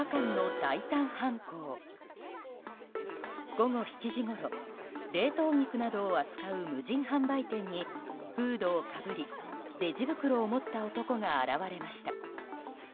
午後７時ごろ冷凍肉などを扱う無人販売店にフードをかぶりレジ袋を持った男が現れました。